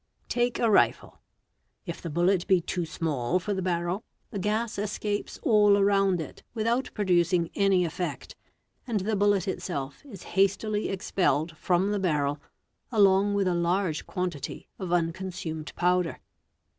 'Take a rifle: if the bullet be too small for the barrel, the gas escapes all around it without producing any effect, and the bullet itself is hastily expelled from the barrel along with a large quantity of unconsumed powder.